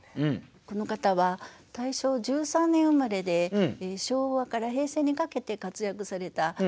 この方は大正１３年生まれで昭和から平成にかけて活躍された俳人さんです。